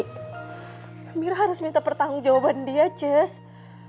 gak jess pokoknya mirah harus minta pertanggung jawaban dia jess